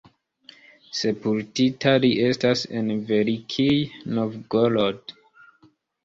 Sepultita li estas en Velikij Novgorod.